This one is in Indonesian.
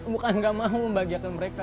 bukan gak mau membahagiakan mereka